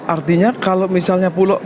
artinya kalau misalnya pulau